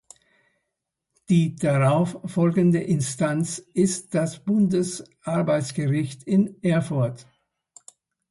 Die darauf folgende Instanz ist das Bundesarbeitsgericht in Erfurt.